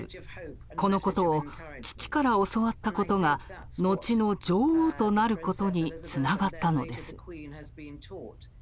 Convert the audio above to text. このことを父から教わったことが後の女王となることにつながったのです。